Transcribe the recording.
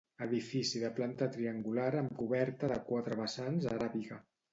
Edifici de planta triangular amb coberta de quatre vessants aràbiga.